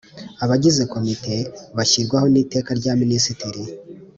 Abagize komite bashyirwaho n iteka rya minisitiri